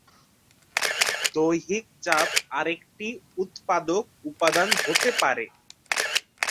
দৈহিক চাপ আরেকটি উৎপাদক উপাদান হতে পারে।